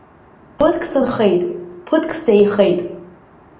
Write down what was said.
Ԥыҭк сынхеит, ԥыҭк сеихеит.